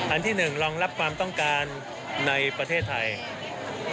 อันที่๑รองรับความต้องการในประเทศไทย